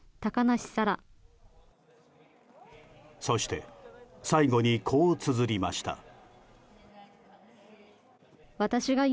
そして、最後にこうつづりました。